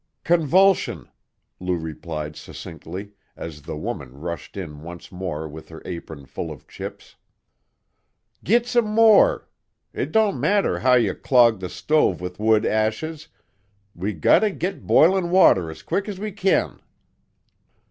"Convulsion," Lou replied succinctly, as the woman rushed in once more with her apron full of chips. "Git some more, it don't matter how you clog the stove with wood ashes; we gotta git boilin' water as quick as we kin."